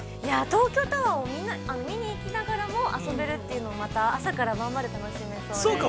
◆東京タワーを見に行きながらも遊べるっていうのも朝から晩まで楽しめそうで。